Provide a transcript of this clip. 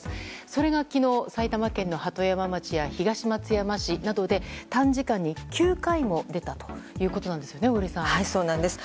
それが昨日、埼玉県の鳩山町や東松山市などで、短時間に９回も出たということなんですねそうなんです。